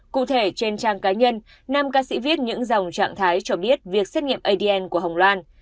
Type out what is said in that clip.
cụ thể trên trang cá nhân nam ca sĩ viết những dòng trạng thái cho biết việc xét nghiệm adn của hồng loan